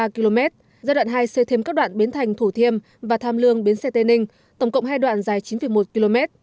một mươi một ba km giai đoạn hai xây thêm các đoạn biến thành thủ thiêm và tham lương biến xe tê ninh tổng cộng hai đoạn dài chín một km